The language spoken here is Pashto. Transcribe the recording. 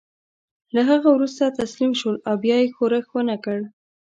له هغه وروسته تسلیم شول او بیا یې ښورښ ونه کړ.